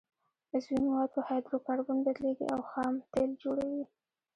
عضوي مواد په هایدرو کاربن بدلیږي او خام تیل جوړوي